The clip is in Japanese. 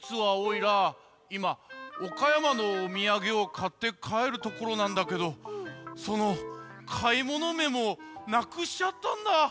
いま岡山のおみやげをかってかえるところなんだけどそのかいものメモをなくしちゃったんだ。